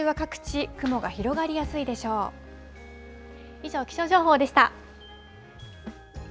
以上、気象情報でした。